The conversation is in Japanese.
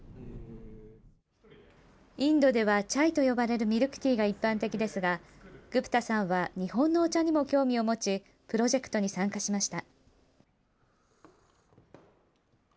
インドではチャイと呼ばれるミルクティーが一般的ですが、グプタさんは日本のお茶にも興味を持ち、プロジェクトに参加しました。